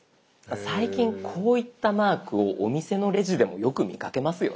最近こういったマークをお店のレジでもよく見かけますよね？